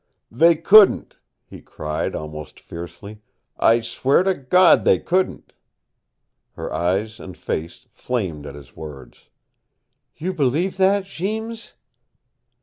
"They couldn't!" he cried, almost fiercely. "I swear to God they couldn't!" Her eyes and face flamed at his words. "You believe that, Jeems?"